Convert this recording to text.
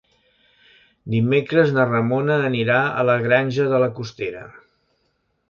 Dimecres na Ramona anirà a la Granja de la Costera.